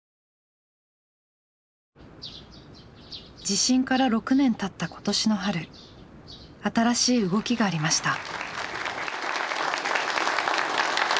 地震から６年たった今年の春新しい動きがありました。